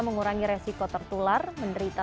mengurangi resiko tertular menderita